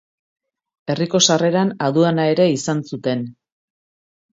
Herriko sarreran aduana ere izan zuten.